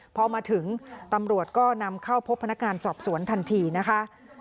พอมาถึงตำรวจก็นำเข้าพบพนักงานสอบสวนทันทีนะคะ